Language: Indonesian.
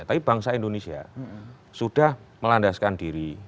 tapi bangsa indonesia sudah melandaskan diri